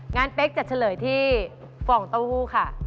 เป๊กจะเฉลยที่ฟองเต้าหู้ค่ะ